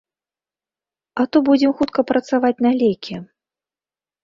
А то будзем хутка працаваць на лекі.